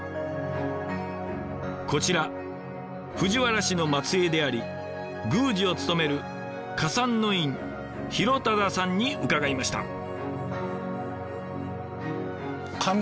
こちら藤原氏の末裔であり宮司を務める花山院弘匡さんに伺いました。